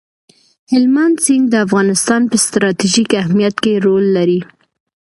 هلمند سیند د افغانستان په ستراتیژیک اهمیت کې رول لري.